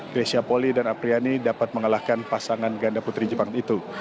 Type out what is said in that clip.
grecia poli dan apriani dapat mengalahkan pasangan ganda putri jepang itu